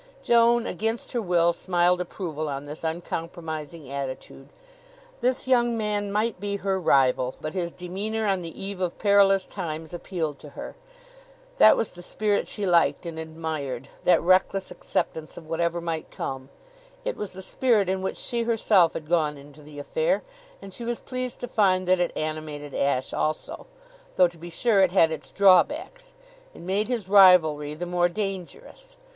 Joan, against her will, smiled approval on this uncompromising attitude. This young man might be her rival, but his demeanor on the eve of perilous times appealed to her. That was the spirit she liked and admired that reckless acceptance of whatever might come. It was the spirit in which she herself had gone into the affair and she was pleased to find that it animated Ashe also though, to be sure, it had its drawbacks. It made his rivalry the more dangerous.